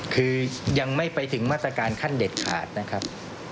คือยังไม่ไปถึงมาตรการขั้นเด็ดขาดนะครับ